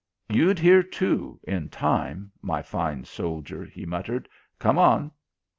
"You'd hear, too, in time, my fine soldier," he muttered. "Come on!"